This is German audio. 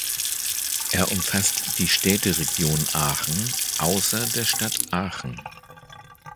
Er umfasst die Städteregion Aachen außer der Stadt Aachen.